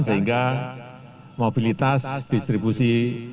sehingga mobilitas distribusi